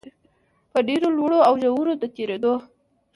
په ډېرو لوړو او ژورو د تېرېدو